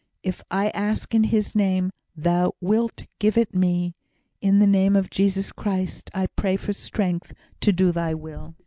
If I ask in His name, Thou wilt give it me. In the name of Jesus Christ I pray for strength to do Thy will!"